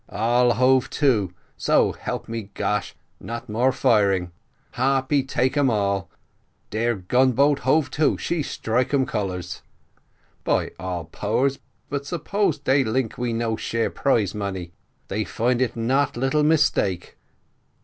All hove to, so help me gosh not more firing; Harpy take um all dare gun boat hove to, she strike um colours. By all powers, but suppose dey tink we no share prize money they find it not little mistake.